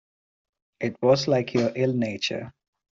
It was like your ill-nature.